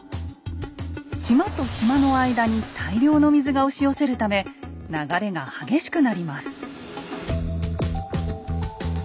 島と島の間に大量の水が押し寄せるため流れが激しくなります。